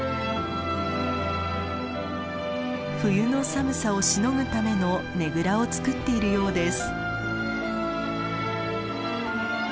冬の寒さをしのぐためのねぐらを作っているようです。